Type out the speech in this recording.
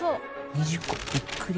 ２０個びっくり。